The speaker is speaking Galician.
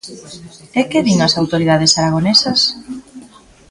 ¿E que din as autoridades aragonesas?